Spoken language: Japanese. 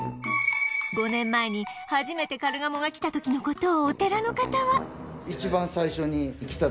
５年前に初めてカルガモが来た時の事をお寺の方は